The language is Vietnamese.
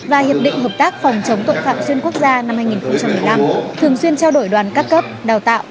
và hiệp định hợp tác phòng chống tội phạm xuyên quốc gia năm hai nghìn một mươi năm thường xuyên trao đổi đoàn các cấp đào tạo